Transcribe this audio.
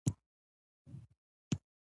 زما خبره واورئ